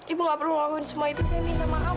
ibu gak perlu ngelakuin semua itu saya minta maaf